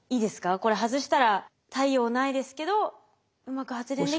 これ外したら太陽ないですけどうまく発電できてれば。